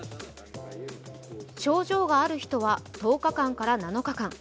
症状がある人は１０日間から７日間。